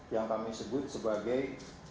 yang kami sebut sebagai